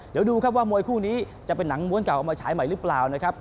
เดี๋ยวดูครับว่ามวยคู่นี้จะเป็นหนังม้วนเก่าออกมาฉายใหม่หรือเปล่านะครับ